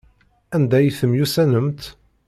Anda ay temyussanemt?